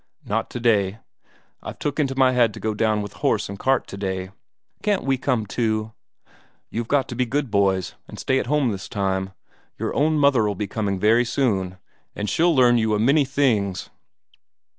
"Not today. I've took into my head to go down with horse and cart today." "Can't we come too?" "You've got to be good boys, and stay at home this time. Your own mother'll be coming very soon, and she'll learn you a many things."